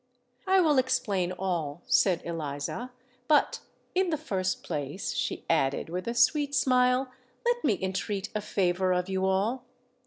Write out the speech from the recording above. "I will explain all," said Eliza. "But, in the first place," she added, with a sweet smile, "let me entreat a favour of you all.